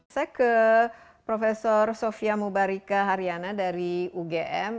saya ke prof sofia mubarika haryana dari ugm